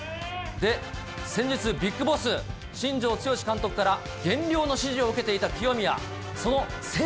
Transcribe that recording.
先日、ビッグボス、新庄剛志監督から減量の指示を受けていた清宮。